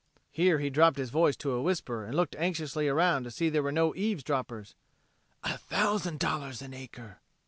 (Here he dropped his voice to a whisper and looked anxiously around to see there were no eavesdroppers "a thousand dollars an acre!")